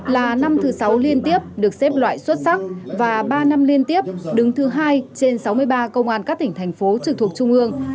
là năm thứ sáu liên tiếp được xếp loại xuất sắc và ba năm liên tiếp đứng thứ hai trên sáu mươi ba công an các tỉnh thành phố trực thuộc trung ương